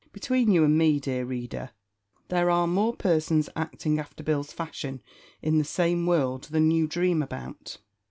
Between you and me, dear reader, there are more persons acting after Bill's fashion in the same world than you dream about.